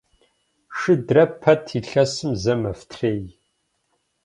Шыдрэ пэт илъэсым зэ мэфтрей.